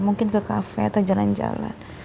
mungkin ke kafe atau jalan jalan